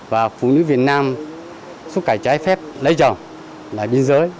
và phụ nữ việt nam xúc cải trái phép lấy chồng là biên giới